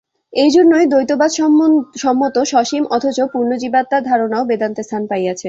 এইজন্যই দ্বৈতবাদসম্মত সসীম অথচ পূর্ণজীবাত্মার ধারণাও বেদান্তে স্থান পাইয়াছে।